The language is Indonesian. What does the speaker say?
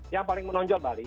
yang paling menonjol bali